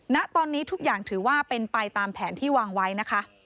ณตอนนี้ทุกอย่างถือว่าเป็นไปตามแผนที่วางไว้นะคะ